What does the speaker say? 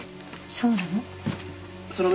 そうなの？